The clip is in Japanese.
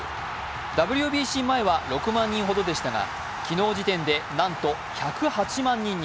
ＷＢＣ前は６万人ほどでしたが昨日時点でなんと１０８万人に。